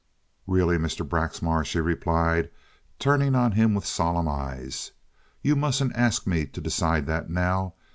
"Really, Mr. Braxmar," she replied, turning on him with solemn eyes, "you mustn't ask me to decide that now.